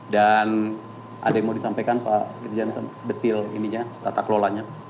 dan ada yang mau disampaikan pak irjen detail ini ya tata kelolanya